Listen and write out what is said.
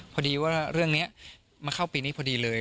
พอดีว่าเรื่องนี้มาเข้าปีนี้พอดีเลย